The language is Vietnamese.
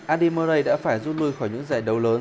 andy murray đã phải rút lui khỏi những giải đấu lớn